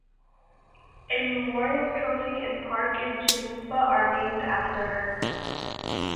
A memorial trophy and park in Toowoomba are named after her.